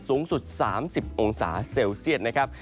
สูงสุด๓๐องศาเซลเซียตนะครับ